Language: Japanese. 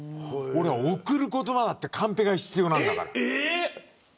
贈る言葉だってカンペが必要なんだから。